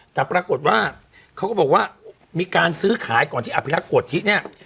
แต่ปรากฏว่าเขาก็บอกว่ามีการซื้อขายก่อนที่อภิรักษ์โกธิเนี่ย